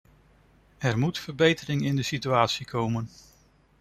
Er moet verbetering in de situatie komen!